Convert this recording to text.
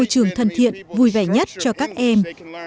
trường thân thiện vui vẻ nhất cho các em